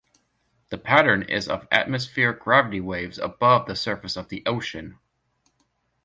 The pattern is of atmospheric gravity waves above the surface of the ocean.